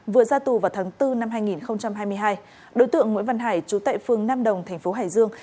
vừa ra tù vào tháng bốn năm hai nghìn hai mươi hai đối tượng nguyễn văn hải trú tại phương nam đồng thành phố hải dương